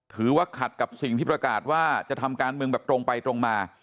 ถือว่าขัดกับสิ่งที่ประกาศว่าจะทำการเมืองแบบตรงไปตรงมา